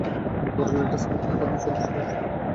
বড়জোর একটা স্মার্টফোন হলেই চলে, সেটাও ক্লাসে সময় পার করার জন্য।